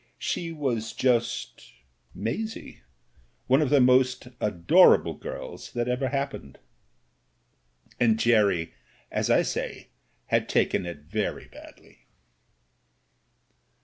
She was just — Maisie, one of the most adorable girls that ever happened. And Jerry, as I say, had taken it very badly.